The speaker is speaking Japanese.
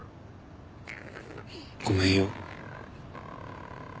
ごめんよ。